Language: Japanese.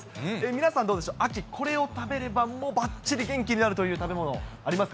皆さんどうでしょう、秋、これを食べればもうばっちり元気になるという食べ物、ありますか？